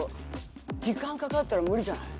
時間かかったら無理じゃない？